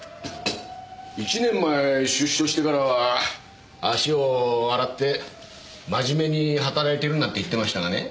１年前出所してからは足を洗って真面目に働いてるんだって言ってましたがね。